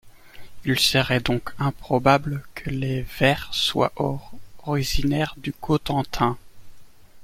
Il serait donc improbable que les Vere soit originaires du Cotentin.